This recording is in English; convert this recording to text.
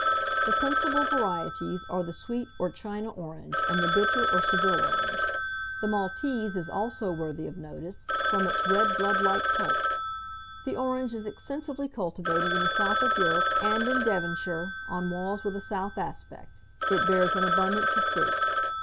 The principal varieties are the sweet, or China orange, and the bitter, or Seville orange; the Maltese is also worthy of notice, from its red blood like pulp. The orange is extensively cultivated in the south of Europe, and in Devonshire, on walls with a south aspect, it bears an abundance of fruit.